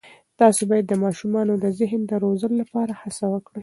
تاسې باید د ماشومانو د ذهن د روزلو لپاره هڅه وکړئ.